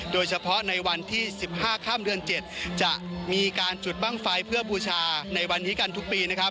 โดยเฉพาะในวันที่๑๕ข้ามเดือน๗จะมีการจุดบ้างไฟเพื่อบูชาในวันนี้กันทุกปีนะครับ